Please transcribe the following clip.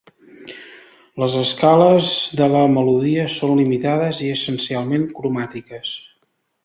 Les escales de la melodia són limitades i essencialment cromàtiques.